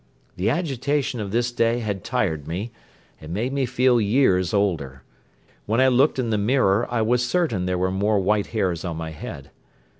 The agitation of this day had tired me and made me feel years older. When I looked in the mirror I was certain there were more white hairs on my head.